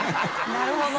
なるほど。